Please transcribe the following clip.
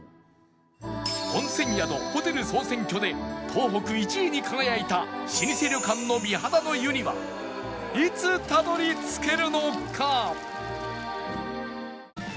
温泉宿・ホテル総選挙で東北１位に輝いた老舗旅館の美肌の湯にはいつたどり着けるのか？